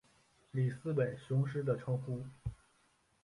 里斯本雄狮的称呼。